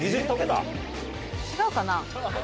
違うかな？